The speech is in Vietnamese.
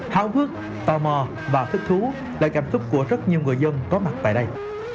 tháo hước tò mò và thích thú là cảm xúc của rất nhiều người dân có mặt tại đây